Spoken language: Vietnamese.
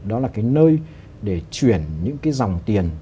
đó là cái nơi để chuyển những cái dòng tiền